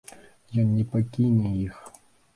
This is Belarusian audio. Ён не пакіне іх.